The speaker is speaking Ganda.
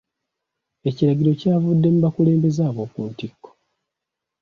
Ekiragiro kyavudde mu bakulembeze ab'oku ntikko.